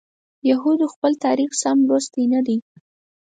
یهودو خپل تاریخ سم لوستی نه دی.